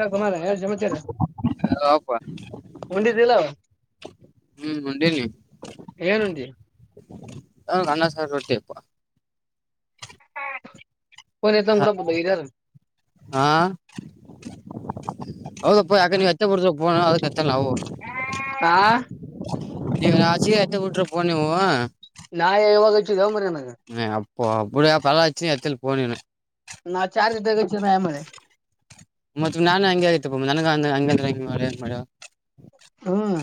ಏ ಕುಮಾರ ಏನ್ ಸಮಾಚಾರ ಹೌದಪ್ಪ ಹ್ಮ್ ಉಂಡಿದ್ದಿಲ್ಲ ಮುಂಡ ನೀ ಏನ್ ಉಂಡಿ ಹ ಅನ್ನ ಸಾರ ರೊಟ್ಟಿ ಇಪ್ಪ ಹಾ [unintelligible] ಹೌದಪ್ಪ ಯಾಕ ನೀವು ಎತ್ತ ಬಿಡ್ತೋಣ ಅದಕ್ಕೆ ಎತ್ತಲ್ಲ ಆ ನೀವು ನಾಚ ಎತ ಬಿಟ್ಟ್ರ ಪನವು ನಾ ಇವಾಗಚ್ಚಿದಂಬ್ರ ಹ್ಮ ಅಪ್ಪ ಅಬಡಾ ಪಲಾಚುನ ಎತಲಿ ಪನ ನಾ ಚಾರ್ ದ ಮತ್ತ ನಾ ಹಂಗಗೆ ಆಯತಪ್ಪ ನನ್ಗ ಹಂಗ ಅಂದ್ರ ಹ ಮಾಡ ಹೆ ಮಾಡ್ಯವ ಹ್ಮ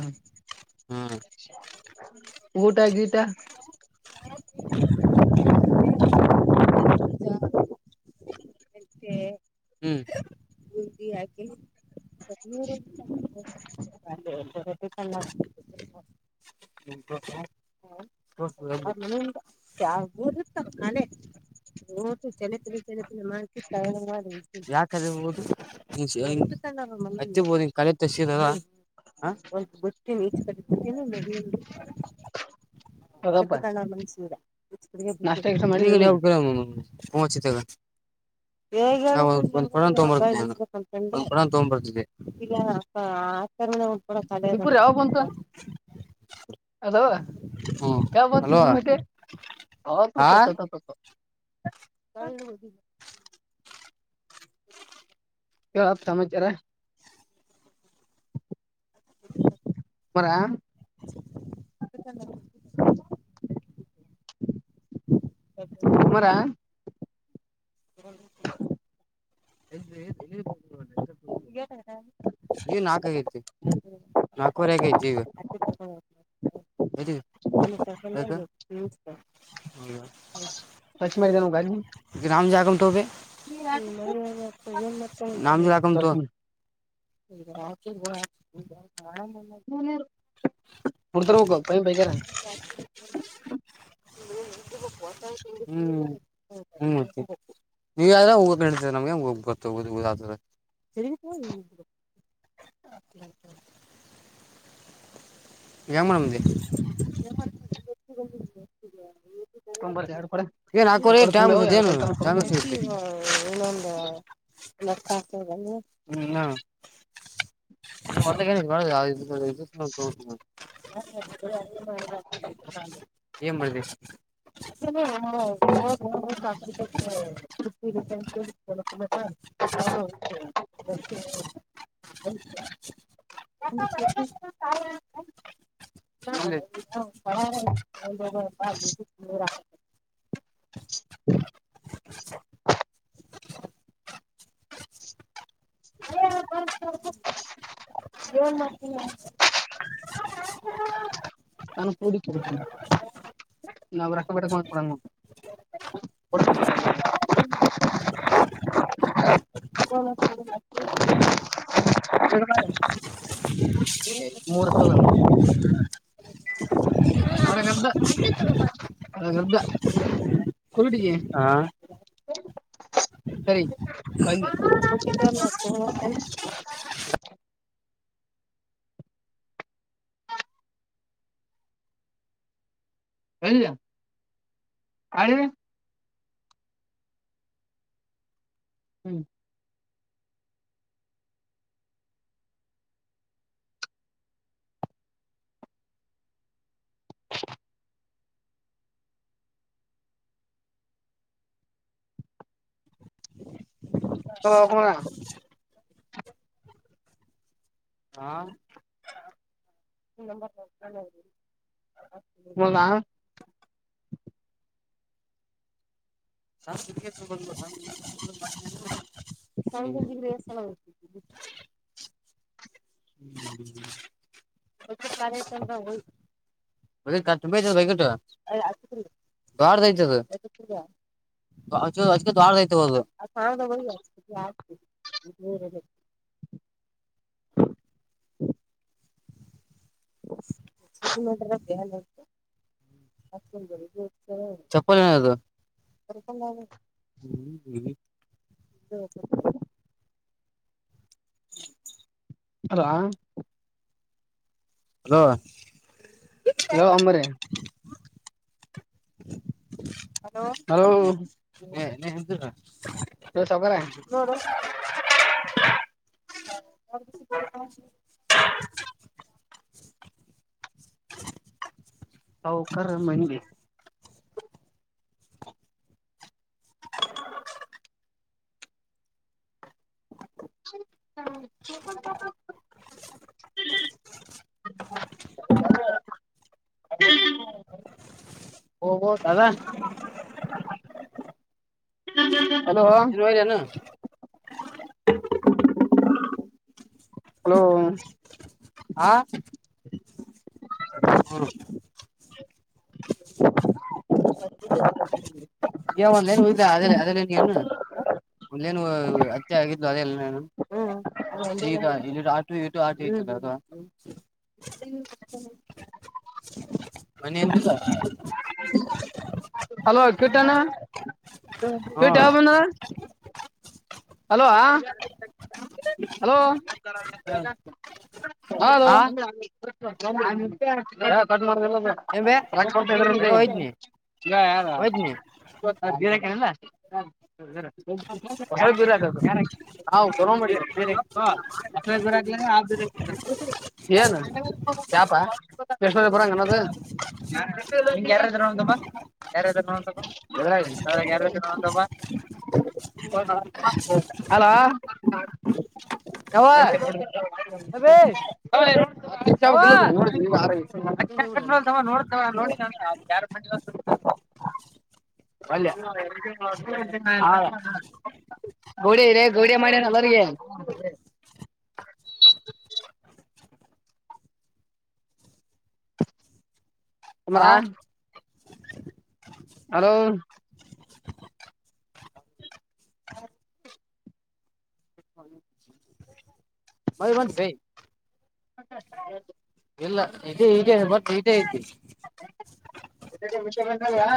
ಊಟ ಗೀಟ ಹ್ಮ್ ಯಾಕೆ [inaudible] [unintelligible] ಯಾವಊ ಇತ್ತ ಮಾನೆ ಟ್ಟ ಚಲ ಚಲ ಮಾಡಲ [unintelligible] [unintelligible] ಹ ಒ ಬಿಟ್ಟೀನಿ ಈ [inaudible] ಅದಪ್ಪ ನಾಷ್ಟ ಗೀಷ್ಟ ಮಾಡಿದಿಲ್ಲ [unintelligible] [inaudible] ತಗ್ ಬರ್ತ ತರ್ಮ ಒ ಕೂಡ ಇಬ್ಬರು ತಡೆಯರಂದ ಯಾವಾಗ ಬಂತು ಹ್ಮ್ ಕ ಬರ್ತಿ ಅಲ್ವಾ ಭೂಮಿಟ ಹತತತತ ಕಳ ಹುದ ಕ ಸಮಚಾರ ಬರ [unintelligible] ಎ ಮರ ಇ [unintelligible] ಈಗ್ ನಾಕ್ ಆಗೈತಿ [unintelligible] [unintelligible] [unintelligible] [unintelligible] [unintelligible] [unintelligible] ಹ್ಮ್ ಹ್ಮ್ ನೀವು ಯ್ರ ಹೋಗಳ್ತೀರಿ ನಮಗೆೋಗ ಗೊತ್ತೋಗುದ [unintelligible] ಏನ್ ಮಾಡಿ ಬಂದಿ [unintelligible] ತೊಗೊಂಡ್ ಬರ್ತೀಯಾ ಎರಡು ಕೊಡಾ ಎರಡು ಕೊಡಾ ತುಂಬಿಯಾವ ಎರಡು ಕೊಡಾ ತಗೊಂಬಾ [unintelligible] ಇನ್ನೊಂದು [unintelligible] [unintelligible] ಏನ್ ಮಾಡ್ದಿ [unintelligible] [unintelligible] [unintelligible] [unintelligible] [unintelligible] [unintelligible] [unintelligible] [unintelligible] [unintelligible] ನಾನು ಕುಡಿ ನನ್ನ ರೋಕ್ಕ ಬೇಡಕ್ ಬಂದ್ರೆ ಕೊಡಲ್ [unintelligible] [unintelligible] [unintelligible] [unintelligible] [unintelligible] ಹಾ ಸರಿ ಬನ್ನಿ [unintelligible] ಎಲ್ಲ ಆ ಹ್ಮ್ [unintelligible] ಆ [unintelligible] [unintelligible] [unintelligible] [unintelligible] [unintelligible] ಯಾರದು ಐತಿ ಅದು [unintelligible] ಅದಕ್ಕೆ ದೊಡ್ಡದ ಐತಿ ಅದು [unintelligible] [unintelligible] ಚಪ್ಪಲ್ ಏನದು [unintelligible] [unintelligible] ಹಲೋ ಏನೋ ಅಂದ್ರಿ ಹ ಹಲೋ ನೀ ಎಂತ ಹ ಹ ಹೊಕ್ಕರಣ ಮನೆಗೆ ಹ ಹ ಓವಓ ದಾದಾ ಹ ನೀ ಹೋದೆನು ಹಲೋ ಹಾ ಹ ಹ ಈ ಒಂದ ಏನು ಅ ಅದ್ರ ಏನು ಅಂದೇನು ಅತ್ತೆ ಆಗಿದ್ಲು ಅದೆೇಲ್ಲನು ಇದು ಹಲ್ಟಿಕೆಟ್ ಅದು ಹಲ್ಟಿಕೆಟ್ ಮನೆ ಎತ ಹಲೋ ಕೀಟನ್ ಹ್ಮ ಕಿಟ್ಟ ಯಾವಾಗ ಬಂದನ ಹಲೋ ಹಲೋ ಹಲೋ ಹಾ ಏನ್ ಬೆ ಬೆಳಿಗ್ಗೆ ಹೋಯ್ದ್ನಿ ಗ ಯಾರ ಹೋಯ್ದ್ನಿ ದರಕಣಲ್ಲ ಹಾವು ಬರಿ ಬೇರೆ ಬರ. ಏನು ಯಾಪಾ ಎಷ್ಣೂರ ಬರಂಗ ಅನ್ನದು. ಯಾರಾದ್ರ ನೋಮ್ಮ ಯಾರಾದೂ ನೋ ಯಾರಾದೂ ನೋಡಂತಮ್ಮ. ಅಲೋ. ಯವ್ವ ಲ್ಲ ಅಬೇ ಯವ್ವ ನೋಡ. ನ ನೋಡತ ನೋಡಿದ ಯಾರ್ ಮಂದಿ. ವಲ್ಯಾ ಹ ಗೌಡ ಇ ರೇ ಗೋಡೆ ಮಾಡಿನಲ್ಲಿಗೆ. ಕರ್ಮ. ಹಾ [inaudible] ಹಲೋ ಬೈ ಒನ್ ಬೇ ಹ. ಇಲ್ಲ ಇದೆ ಈ ಬ ಈಟೇ ಐತಿ. ಎ ಮುಷಂತಲ್ವಾ.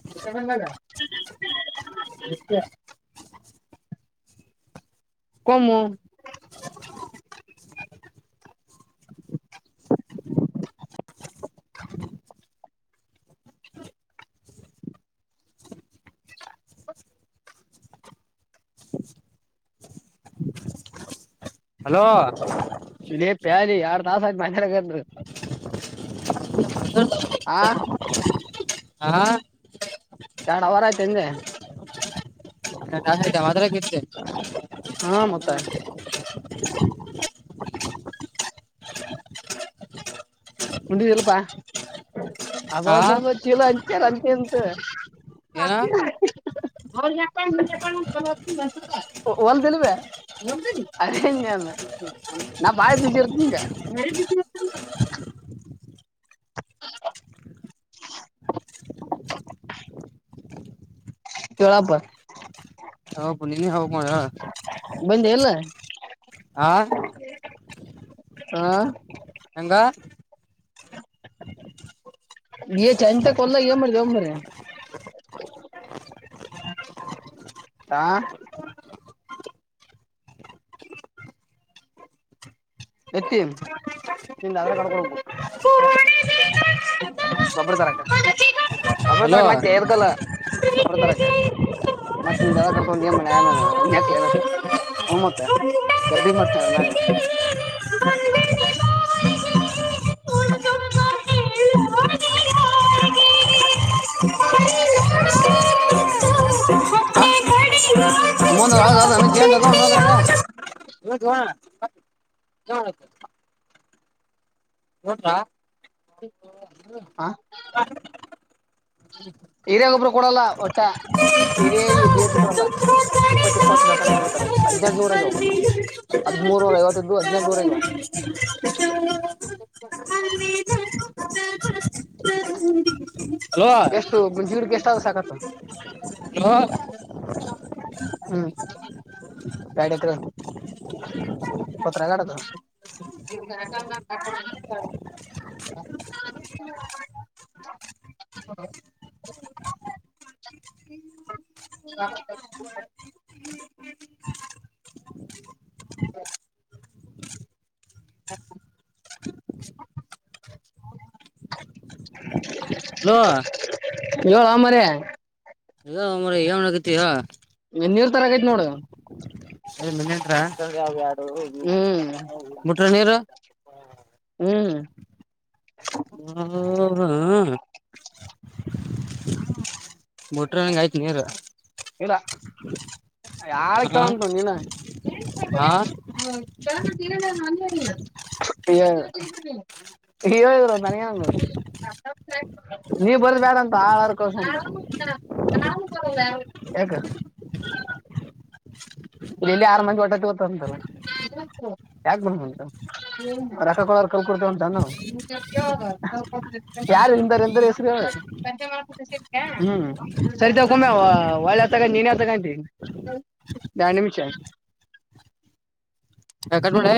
ಎಸ. ಕಮು. ಹ ಹಲೋ. ಇದೇ ಪ್ಯಾಲಿ ಎರಡ್ ತಾಸ ಆಯತ್ ಮಗಂದರು. ಆ ಆ. ಎರಡು ಅವಾರ ಆಯ್ತು ಅಂದೆ. ತ ಮಾದ್ರ ಕ ಇತ್ತ. ಹಾ ಮತ್ತಾ [inaudible] ಉಂದಿದಲ್ಪಾ ಹಾ ಅಬ್ಬಬ್ಬಬ್ಬ ಚೀಲ ಹಂಚಾರ ಅಂತಿಂತು. ಏನ [inaudible] ಓಲ್ಡಿ ಬೇ ಓಲ್ಡೆನಿ. ನಾ ಬಾಲ ಬಿಸಿರ್ತೀ ಇಗ. [inaudible] ಚೋಳಾಪ. ಹೌಬು ನೀನ ಹೇಳ್ಬೇಕು ಹೇಳ. ಬಂದೆ ಇಲ್ಲಾ. ಆ. ಹಾ. ಹೆಂಗ. ಹ. [inaudible] ನೀ ಚಂತ ಕೊಲ್ಲ ಇನ ಮಾಡ್ಡ್ಯೋ ಮಾರಾಯ. ಹಾ. ಎತ್ತಿ ನಿಂದ ಆಧರ ಕಾರ್ಡ್ ಕೊಡಬೇಕು. ಬಬ್ಬರ ತರಕ್ಕ ಬಬ್ಬರ ಹಲೋ ತರಕ್ಕ ಮತ್ತೆ ಎದಕಲ್ಲ ಒಬ್ಬರ ಹೊಟ್ಟೆ ತರಕ್ಕೆ. ಮತ್ತೆ ನಿಂದ ಆಧಾರ್ ಕಾರ್ಡ್ ತೊಗೊಂಡ ಏನ್ ಮನ್ಯಾಗ ನ ನೆಕ್ಲಿ ಏನ್ ಹೂ ಮತ್ತ. ಎಬ್ ಮರತ್ನಿ ಅದರ ಮ್ಯಾಗ. ಹ. [inaudible] [inaudible] [inaudible] ಹಾ. ಕಡಿಯ ಮುಂದ ಅದಾವ ಅ ಜನ್ ಅದಾವ ಏನ್ ಅದರಾಗ. [inaudible] ನೋಡ್ರಾ. ಹಾ. ಹಿರೇಗೊಬ್ರು ಕೊಡಲ್ಲ ಒಟ್ಟ. ಇದೇ ಬಿ ಎಪ ಕೊಡಲ್ಲ ಇಪ್ಪತ್ ಇಪ್ಪತ್ತು ಬೇಕಲ್ಲಂಗ್ ಬಿಡ್ತಾರೆ ಹದಿನೆಂಟು ನೂರ ಅಗ್ಯಾವ್. ಹದ್ಮೂರ ನೂರಾ ಐವತ್ತದು ಇದ್ದು ಹದಿನೆಂಟ ನೂರು ಆಗ್ಯಾವ. ಹ. [inaudible] ಹ. [inaudible] ಹಲೋ ಹಲೋ ಎಷ್ಟು ಗುಂಜಿಡ್ವಾಕ ಎಷ್ಟಾದ್ರೂ ಸಾಕತ್ತ. ಹಲೋ. ಹ್ಮ್ ಎರಡ ಎಕರೆ ದ. ಇಪ್ಪತ್ರದ. [inaudible] ಹ. [inaudible] ಹ. [inaudible] ಹ. [inaudible] ಹ ಹ. [inaudible] ಹೇಳೋ ಮಾರಾಯ. ಹು ಮಾರಾಯಾ ಏನ ಮಾಡಾಕತಿ ಹೇಳ್. ನೀರ್ ತರಾಕತಿನಿ ನೋಡ. ಡು ಹ್ಮ್ ಬಿಟ್ರ ನೀರು. ಹ್ಮ್. ಹ್ಮ್ಮ್ ಹ ಹ. ಬಿಟ್ರಾ ಅನ್ನಾಂಗ ಆಯ್ತ್ ನೀರ. ಇಲ್ಲ ಯರ ಹಾ ಕೇಳಂತ ನೀನ. ಹಾ ಏ. [inaudible] ಹರೋ ಇದರುನಯಂಗ. [inaudible] ನೀ ಬರುದ ಬ್ಯಾಡ ಅಂತ ಆಳರ ಕಳಸ ಬೇಕ ಅಂತ. ಯಾಕ ಇಲ್ಲಿ ಆರು ಮಂದಿ ಒಟ್ಟತ ಅಂತಲ್ಲ ಯಾಕೆ ಬಂದ ಅಂತೆ ರೊಕ್ಕ ಕೊಡೋರ ಕೈಯಲ್ಲಿ ಉಂಟನು ಯಾರು ಹಿಂದರ್ ಹಿಂದರ್ ಹೆಸರು ಹೇಳು ಹ್ಮ ಸರಿ ತಕೊಮ್ ಹ ಒಳ್ಳ ತಕೊ ನೀನೇ ತಕಂತಿ ಎರಡು ನಿಮಿಷ ಹೇ ಕಟ್ ಮಾಡೇ